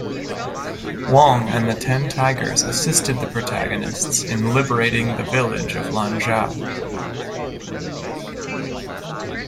Wong and the Ten Tigers assisted the protagonists in liberating the village of Lanzhou.